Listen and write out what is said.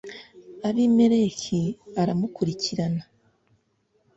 abimeleki aramukurikirana